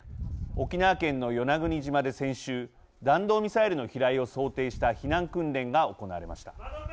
沖縄県の与那国島で先週弾道ミサイルの飛来を想定した避難訓練が行われました。